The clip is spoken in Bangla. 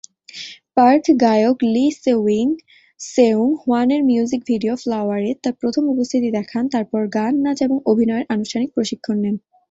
পার্ক গায়ক লি সেউং-হোয়ানের মিউজিক ভিডিও "ফ্লাওয়ার"-এ তার প্রথম উপস্থিতি দেখান, তারপর গান, নাচ এবং অভিনয়ের আনুষ্ঠানিক প্রশিক্ষণ নেন।